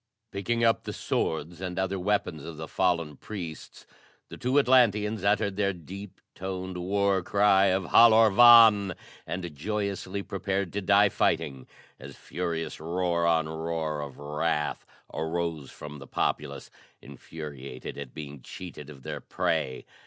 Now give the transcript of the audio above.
Picking up the swords and other weapons of the fallen priests the two Atlanteans uttered their deep toned war cry of Halor vàn! and joyously prepared to die fighting, as furious roar on roar of wrath arose from the populace, infuriated at being cheated of their prey.